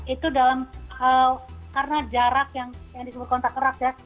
itu dalam karena jarak yang disebut kontak erat ya